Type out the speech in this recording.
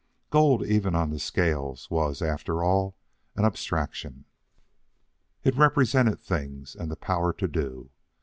Gold, even on the scales, was, after all, an abstraction. It represented things and the power to do.